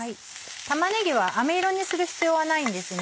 玉ねぎはあめ色にする必要はないんですね。